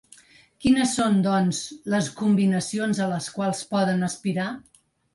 Quines són, doncs, les combinacions a les quals poden aspirar?